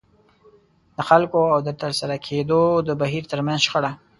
د خلکو او د ترسره کېدو د بهير ترمنځ شخړه.